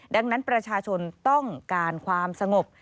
ดังนั้นประชาชนต้องการความสงบ